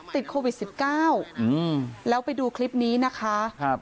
ติดโควิดสิบเก้าอืมแล้วไปดูคลิปนี้นะคะครับ